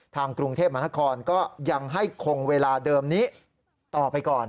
ทางกรุงเทพมหานครก็ยังให้คงเวลาเดิมนี้ต่อไปก่อน